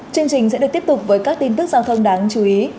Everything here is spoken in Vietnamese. chương trình sẽ được tiếp tục với các tin tức giao thông đáng chú ý